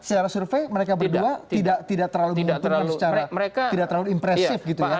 secara survei mereka berdua tidak terlalu menguntungkan secara tidak terlalu impresif gitu ya